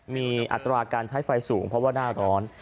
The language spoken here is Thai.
มีอัตราการใช้ไฟสูงเพราะว่าหน้าร้อน